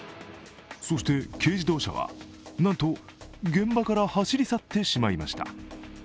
そして軽自動車は、なんと現場から走り去ってしまいました。